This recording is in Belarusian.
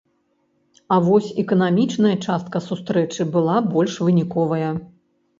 А вось эканамічная частка сустрэчы была больш выніковая.